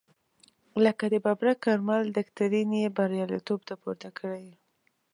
لکه د ببرک کارمل دکترین یې بریالیتوب ته پورته کړی.